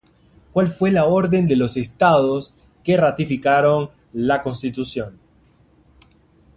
¿Cuál fue la orden de los Estados que ratificaron la Constitución?